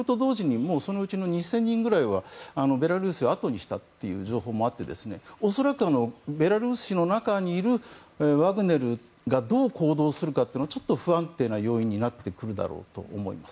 それと、２０００人くらいはベラルーシをあとにしたという情報もあって恐らく、ベラルーシの中にいるワグネルがどう行動するかはちょっと不安定な要因になってくるだろうと思います。